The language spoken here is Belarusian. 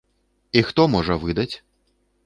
І хто можа выдаць?